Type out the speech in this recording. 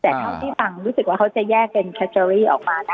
แต่เท่าที่ฟังรู้สึกว่าเขาจะแยกเป็นแคตอรี่ออกมานะ